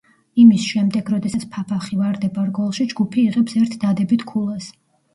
იმის შემდეგ, როდესაც ფაფახი ვარდება რგოლში ჯგუფი იღებს ერთ დადებით ქულას.